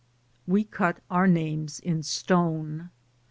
WE CUT OUR NAMES IN STONE.